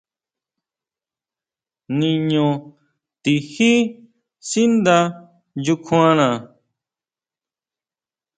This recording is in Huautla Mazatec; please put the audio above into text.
Niño tijí sínda nyukjuana.